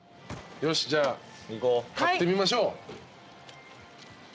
よしじゃあ買ってみましょう。